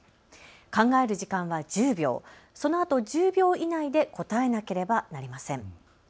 考える時間は１０秒、そのあと１０秒以内で答えなければなりません。